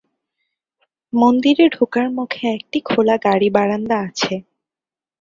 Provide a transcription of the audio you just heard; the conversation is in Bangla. মন্দিরে ঢোকার মুখে একটি খোলা গাড়ী-বারান্দা আছে।